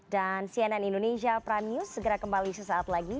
dan cnn indonesia prime news segera kembali sesaat lagi